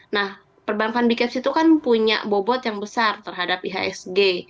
nah perbankan bkps itu kan punya bobot yang besar terhadap ihsg